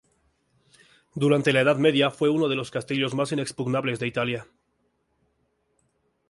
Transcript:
Durante la Edad Media fue uno de los castillos más inexpugnables de Italia.